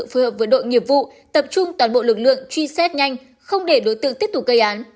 phù hợp với đội nghiệp vụ tập trung toàn bộ lực lượng truy xét nhanh không để đối tượng tiếp tục gây án